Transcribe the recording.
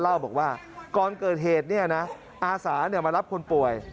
เล่าบอกว่าก่อนเกิดเหตุอาสามารับคนป่วย